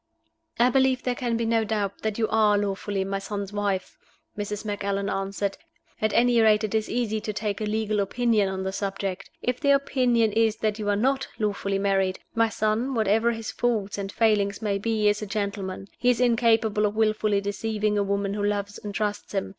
"I believe there can be no doubt that you are lawfully my son's wife," Mrs. Macallan answered. "At any rate it is easy to take a legal opinion on the subject. If the opinion is that you are not lawfully married, my son (whatever his faults and failings may be) is a gentleman. He is incapable of willfully deceiving a woman who loves and trusts him.